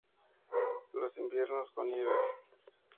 Los inviernos con nieve.